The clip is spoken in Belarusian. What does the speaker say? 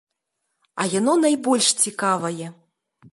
А яно найбольш цікавае.